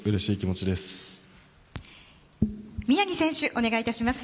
お願いいたします。